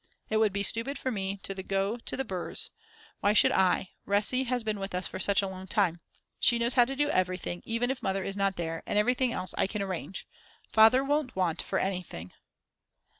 It would be stupid for me to go to the Brs., why should I, Resi has been with us for such a long time, she knows how to do everything even if Mother is not there and everything else I can arrange. Father won't want for anything.